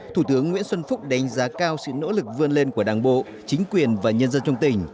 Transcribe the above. thủ tướng nguyễn xuân phúc đánh giá cao sự nỗ lực vươn lên của đảng bộ chính quyền và nhân dân trong tỉnh